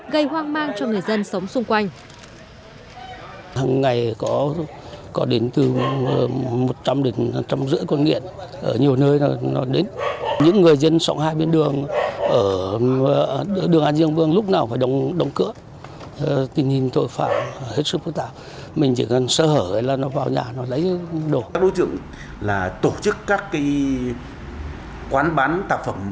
gây hoang mang cho người dân sống xung quanh